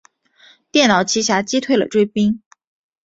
电脑奇侠击退了追兵。